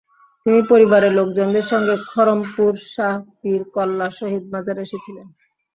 তিনি পরিবারের লোকজনের সঙ্গে খড়মপুর শাহ পীর কল্লা শহীদ মাজারে এসেছিলেন।